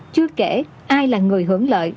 chưa kể ai là người hưởng lợi